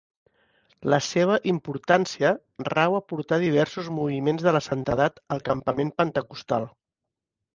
La seva importància rau a portar diversos Moviments de la Santedat al campament pentecostal.